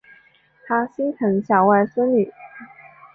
他心疼小孙女